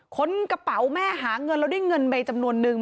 ค้นกระเป๋าแม่หาเงินแล้วได้เงินไปจำนวนนึง